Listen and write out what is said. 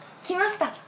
来ました。